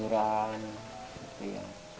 terus oleh itu kejujuran